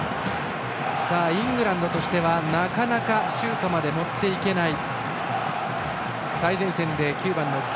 イングランドとしてはなかなかシュートまで持っていけない。